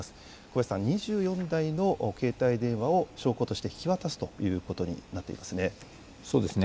小林さん、２４台の携帯電話を証拠として引き渡すということになったわけですね。